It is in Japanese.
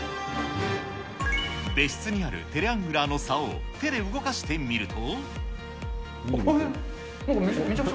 別室にあるテレアングラーのさおを手で動かしてみると。